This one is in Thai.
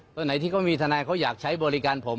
ตรงไหนที่เขามีทนายเขาอยากใช้บริการผม